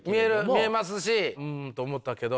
見えますしうんと思ったけど。